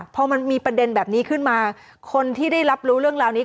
พอมันมีประเด็นแบบนี้ขึ้นมาคนที่ได้รับรู้เรื่องราวนี้